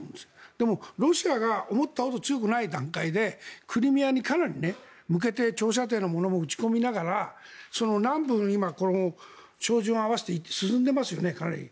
でも、ロシアが思ったほど強くない段階でクリミアに向けて長射程のものも撃ち込みながら南部に今、照準を合わせて進んでいますよね、かなり。